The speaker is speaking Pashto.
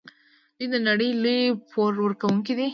دوی د نړۍ لوی پور ورکوونکي دي.